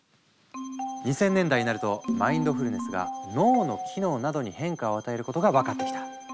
２０００年代になるとマインドフルネスが脳の機能などに変化を与えることが分かってきた。